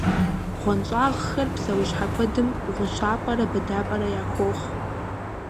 БгъуэнщӀагъхэр псэущхьэ куэдым гъущапӀэрэ быдапӀэрэ яхуохъу.